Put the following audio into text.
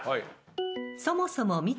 そもそも。